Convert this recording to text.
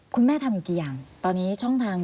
คุณแม่ทำอยู่กี่อย่างตอนนี้ช่องทาง